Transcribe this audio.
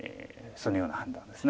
そのような判断です。